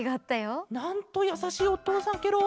なんとやさしいおとうさんケロ。